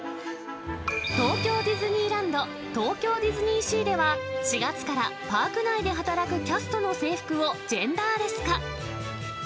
東京ディズニーランド、東京ディズニーシーでは、４月からパーク内で働くキャストの制服をジェンダーレス化。